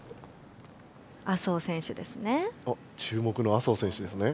朝生選手ですね。